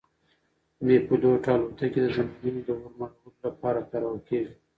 بې پیلوټه الوتکې د ځنګلونو د اور مړولو لپاره کارول کیږي.